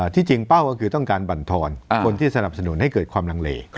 ที่จริงเป้าก็คือต้องการบรรทอนคนที่สนับสนุนให้เกิดความลังเล